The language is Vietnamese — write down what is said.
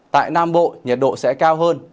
tại nam bộ nhiệt độ sẽ cao hơn